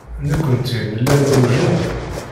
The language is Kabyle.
Nekkenti nella newjed.